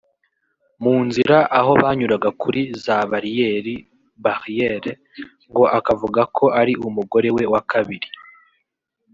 mu nzira aho banyuraga kuri za bariyeri (barrières) ngo akavuga ko ari umugore we wa kabiri